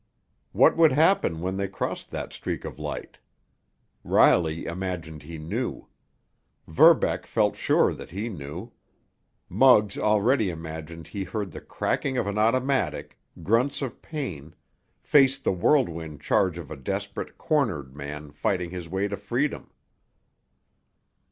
What would happen when they crossed that streak of light? Riley imagined he knew. Verbeck felt sure that he knew. Muggs already imagined he heard the cracking of an automatic, grunts of pain, faced the whirlwind charge of a desperate, cornered man, fighting his way to freedom.